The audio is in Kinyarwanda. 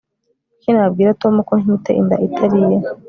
kuki nabwira tom ko ntwite inda itari iye